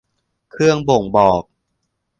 เครื่องบ่งบอก